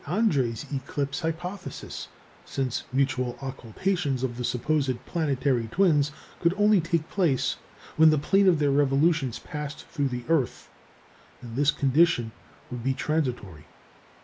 André's eclipse hypothesis, since mutual occultations of the supposed planetary twins could only take place when the plane of their revolutions passed through the earth, and this condition would be transitory.